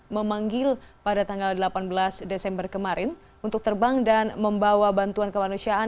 memanggil pada tanggal delapan belas desember kemarin untuk terbang dan membawa bantuan kemanusiaan